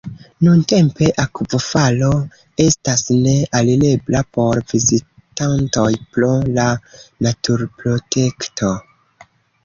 Nuntempe akvofalo estas ne alirebla por vizitantoj pro la naturprotekto.